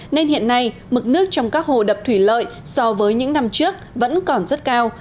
nên hiện nay mực nước trong các hồ đập thủy lợi so với những năm trước vẫn còn rất cao